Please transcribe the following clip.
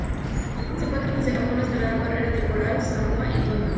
Se encuentra desde Japón hasta la Gran Barrera de Coral, Samoa y Tonga.